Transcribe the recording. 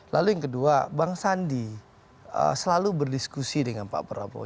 lalu yang kedua bang sandi selalu berdiskusi dengan pak prabowo